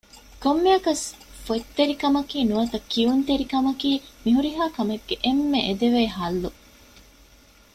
ކޮންމެއަކަސް ފޮތްތެރިކަމަކީ ނުވަތަ ކިޔުންތެރިކަމަކީ މި ހުރިހާ ކަމެއްގެ އެންމެ އެދެވޭ ޙައްލު